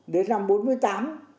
đến năm bốn mươi tám